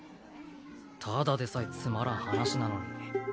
ただでさえつまらん話なのに。